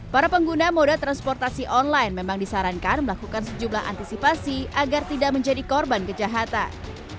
para pengguna moda transportasi online memang disarankan melakukan sejumlah antisipasi agar tidak menjadi korban kejahatan